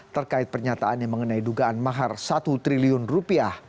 terkait pernyataannya mengenai dugaan mahar satu triliun rupiah